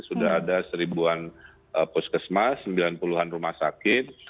sudah ada seribuan puskesmas sembilan puluh an rumah sakit